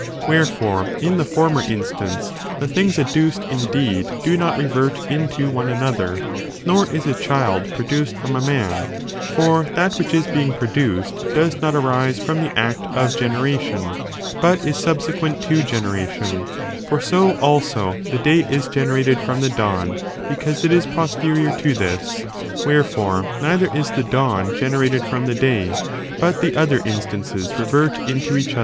Wherefore, in the former instance, the things adduced, indeed, do not revert into one another, nor is a child produced from a man ; for that which is being pro duced does not arise from the act of generation, but is sub sequent to generation : for so, also, the day is generated from the dawn, because it is posterior to this ; wherefore, neither is the dawn generated from the day : but the other instances revert into each other.